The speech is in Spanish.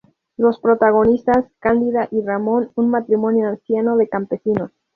Los protagonistas: Cándida y Ramón, un matrimonio anciano de campesinos.